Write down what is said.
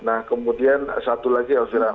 nah kemudian satu lagi elvira